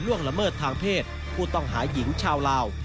ละเมิดทางเพศผู้ต้องหาหญิงชาวลาว